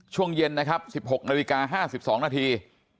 ช่วงเย็นนะครับ๑๖นาฬิกา๕๒นาที